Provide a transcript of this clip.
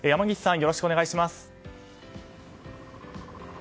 よろしくお願いします。